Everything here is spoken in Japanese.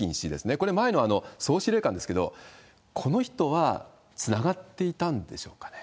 これ、前の総司令官ですけれども、この人はつながっていたんでしょうかね？